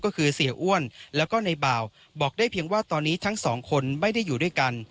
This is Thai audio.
ก็คือเสียอ้วนแล้วก็ในบ่าวบอกได้เพียงว่าตอนนี้ทั้งสองคนไม่ได้อยู่ด้วยกัน